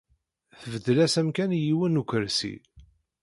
Tbeddel-as amkan i yiwen n ukersi.